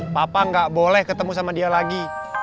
papa nggak boleh ketemu sama dia lagi